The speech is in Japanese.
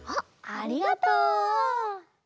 ありがとう！